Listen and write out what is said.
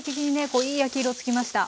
こういい焼き色つきました。